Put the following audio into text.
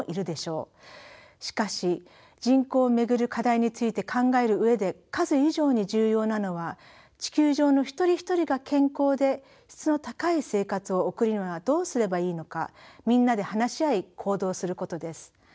しかし人口を巡る課題について考える上で数以上に重要なのは地球上の一人一人が健康で質の高い生活を送るにはどうすればいいのかみんなで話し合い行動することです。